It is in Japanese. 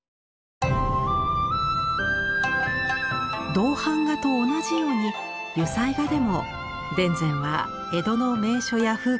銅版画と同じように油彩画でも田善は江戸の名所や風景を多く描いています。